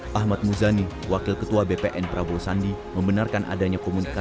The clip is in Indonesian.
calon presiden nomor urut dua prabowo subianto menunda pertemuan berikutnya